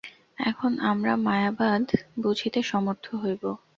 এখন আমরা মায়াবাদ বুঝিতে সমর্থ হইব।